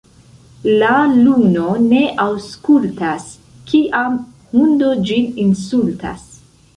La luno ne aŭskultas, kiam hundo ĝin insultas.